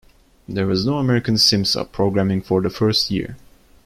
There was no American simsub programming for the first year.